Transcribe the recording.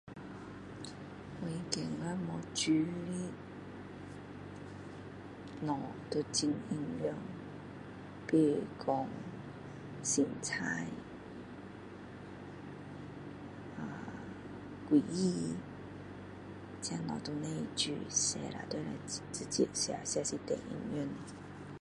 我觉得没有煮的东西都很营养比如说生菜水果 er 这些东西都不用煮洗了直接吃吃了最有营养的